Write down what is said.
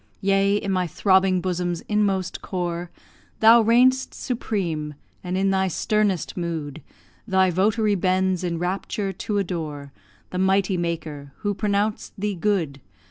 Yea, in my throbbing bosom's inmost core, Thou reign'st supreme; and, in thy sternest mood, Thy votary bends in rapture to adore The Mighty Maker, who pronounced thee good.